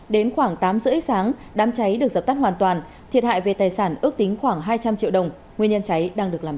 đến khoảng tám h ba mươi sáng đám cháy được dập tắt hoàn toàn thiệt hại về tài sản ước tính khoảng hai trăm linh triệu đồng nguyên nhân cháy đang được làm rõ